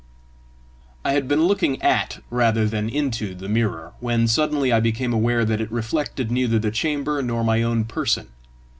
I had been looking at rather than into the mirror, when suddenly I became aware that it reflected neither the chamber nor my own person.